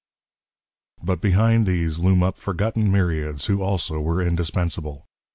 But behind these loom up forgotten myriads who also were indispensable.